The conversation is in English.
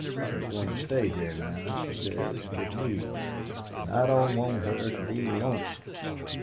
She's going to stay here now, she says, with me, and I don't want her to be lonesome."